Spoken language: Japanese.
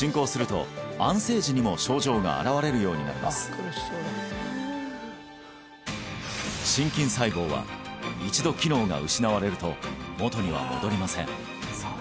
この心筋細胞は一度機能が失われると元には戻りません